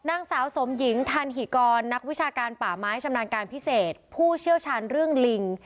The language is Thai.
นางสาวสมหญิงทันหิกรนักวิชาการป่าไม้ชำนาญการพิเศษผู้เชี่ยวชาญเรื่องลิง